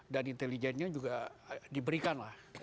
dan intelijennya juga diberikan